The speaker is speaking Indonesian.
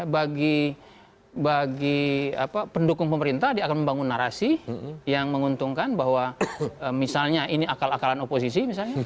bagi pendukung pemerintah dia akan membangun narasi yang menguntungkan bahwa misalnya ini akal akalan oposisi misalnya